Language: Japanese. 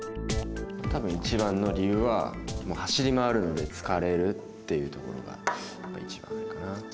多分一番の理由は走り回るので疲れるっていうところが一番あれかな。